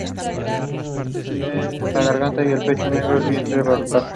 El cardinal de un conjunto finito es un número natural ordinario.